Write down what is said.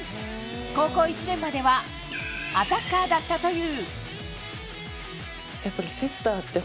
高校１年まではアタッカーだったという。